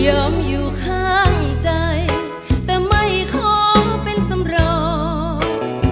อยู่ข้างใจแต่ไม่ขอเป็นสำรอง